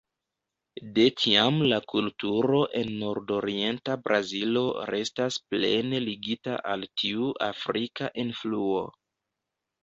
De tiam la kulturo en Nordorienta Brazilo restas plene ligita al tiu afrika influo.